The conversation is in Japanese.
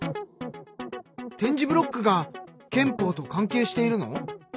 点字ブロックが憲法と関係しているの？